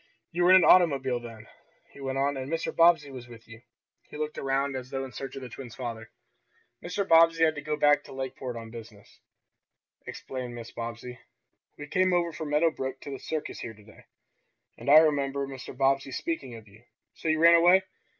"You were in an automobile then," he went on, "and Mr. Bobbsey was with you." He looked around as though in search of the twins' father. "Mr. Bobbsey had to go back to Lakeport on business," explained Mrs. Bobbsey. "We came over from Meadow Brook to the circus here to day. And I remember Mr. Bobbsey speaking of you. So you ran away?"